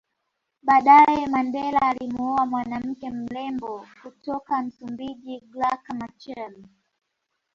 Baadaye Mandela alimuoa mwanawake mrembo kutoka Msumbiji Graca Machel